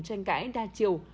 tranh cãi đa chiều